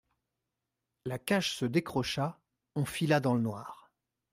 La cage se décrocha, on fila dans le noir.